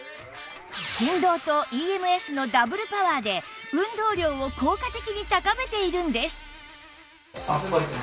振動と ＥＭＳ のダブルパワーで運動量を効果的に高めているんです